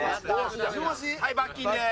はい罰金でーす。